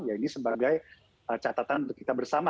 ya ini sebagai catatan untuk kita bersama